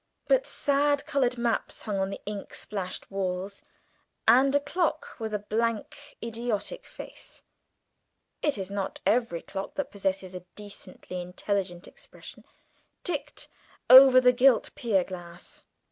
But sad coloured maps hung on the ink splashed walls, and a clock with a blank idiotic face (it is not every clock that possesses a decently intelligent expression) ticked over the gilt pier glass.